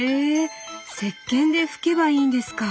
石けんで拭けばいいんですか。